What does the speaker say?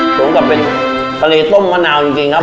เหมือนกับเป็นปลาเลต้มมะนาวจริงครับผม